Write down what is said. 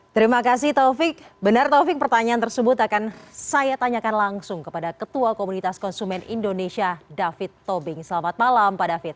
terima kasih taufik benar taufik pertanyaan tersebut akan saya tanyakan langsung kepada ketua komunitas konsumen indonesia david tobing selamat malam pak david